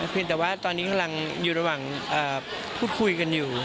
เพียงแต่ว่าตอนนี้อยู่ระหว่างคุดคุยกันอยู่